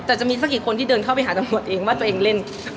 แต่จะมีสักกี่คนที่เดินเข้าไปหาตำรวจเองว่าตัวเองเล่น